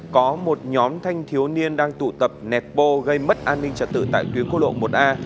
có một nhóm thanh thiếu niên đang tụ tập nẹt bô gây mất an ninh trật tự tại tuyến khu lộ một a